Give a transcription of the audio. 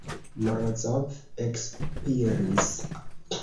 Morozov ekspiris.